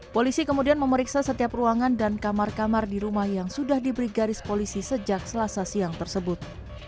polisi kemudian memeriksa setiap ruangan dan kamar kamar di rumah yang sudah diberi garis polisi sejak selasa siang tersebut